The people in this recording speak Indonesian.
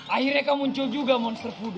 akhirnya kau muncul juga monster poodle